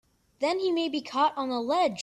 Then he may be caught on a ledge!